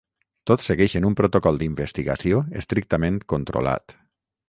Tots segueixen un protocol d'investigació estrictament controlat.